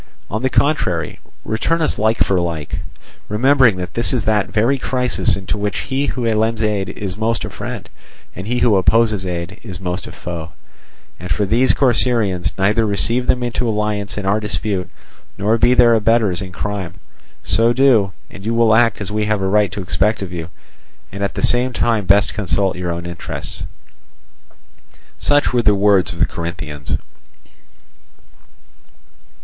On the contrary, return us like for like, remembering that this is that very crisis in which he who lends aid is most a friend, and he who opposes is most a foe. And for these Corcyraeans—neither receive them into alliance in our despite, nor be their abettors in crime. So do, and you will act as we have a right to expect of you, and at the same time best consult your own interests." Such were the words of the Corinthians.